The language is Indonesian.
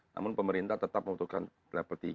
namun pemerintah tetap membutuhkan level tiga